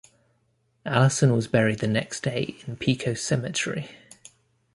Allison was buried the next day in Pecos Cemetery.